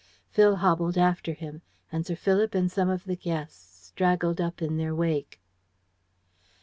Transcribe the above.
Phil hobbled after him, and Sir Philip and some of the guests straggled up in their wake.